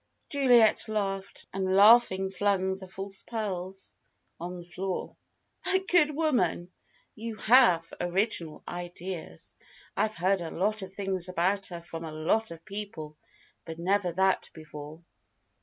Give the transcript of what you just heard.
Juliet laughed, and laughing flung the false pearls on the floor. "'A good woman!' You have original ideas! I've heard a lot of things about her from a lot of people, but never that before."